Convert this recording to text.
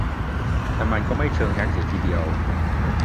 แต่มันก็ไม่เชิงแฮ็กเสียทีเดียว